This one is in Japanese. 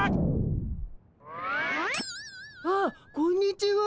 あっこんにちは。